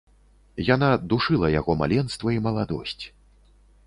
Яна душыла яго маленства і маладосць.